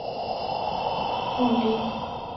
鳄梨油是指用鳄梨果实压榨而成的植物油。